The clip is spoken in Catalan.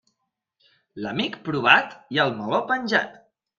L'amic provat i el meló penjat.